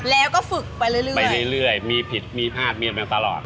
แล้วก็ฝึกไปเรื่อยไปเรื่อยมีผิดมีพลาดเมียนมาตลอด